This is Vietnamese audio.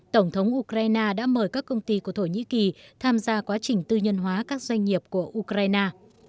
tổng thống ukraine đã mời các công ty của thổ nhĩ kỳ tham gia quá trình tư nhân hóa các doanh nghiệp của ukraine